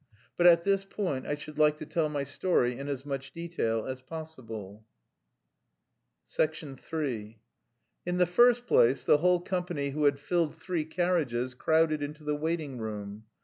But at this point I should like to tell my story in as much detail as possible. III In the first place, the whole company who had filled three carriages crowded into the waiting room.